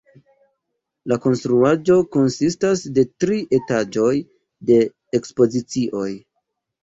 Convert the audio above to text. La konstruaĵo konsistas de tri etaĝoj de ekspozicioj.